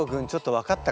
分かった！